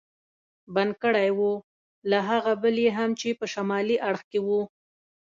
بند کړی و، له هغه بل یې هم چې په شمالي اړخ کې و.